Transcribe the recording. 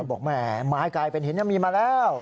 บอกแหมไม้กลายเป็นหินยังมีมาแล้ว